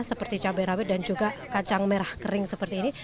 seperti cabai rawit dan juga kacang merah kering seperti ini